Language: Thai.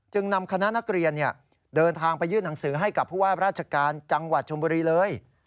นำคณะนักเรียนเดินทางไปยื่นหนังสือให้กับผู้ว่าราชการจังหวัดชมบุรีเลย